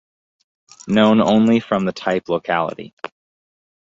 Known only from the type locality.